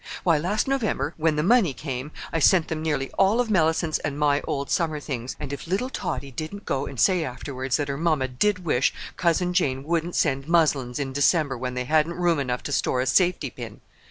Why, last November, when the money came, I sent them nearly all of Mellicent's and my old summer things—and if little Tottie didn't go and say afterwards that her mamma did wish Cousin Jane wouldn't send muslins in December when they hadn't room enough to store a safety pin.